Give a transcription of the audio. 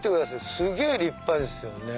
すげぇ立派ですよね。